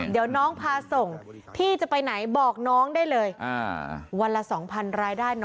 เดี๋ยวน้องพาส่งพี่จะไปไหนบอกน้องได้เลยวันละ๒๐๐รายได้น้อย